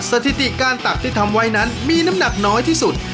สถิติการตักที่ทำไว้นั้นมีน้ำหนักน้อยที่สุด